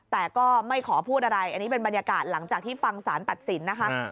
แต่ก็ไม่ขอพูดอะไรอันนี้เป็นบรรยากาศหลังจากที่ฟังสารตัดสินนะคะ